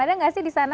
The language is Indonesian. ada enggak sih di sana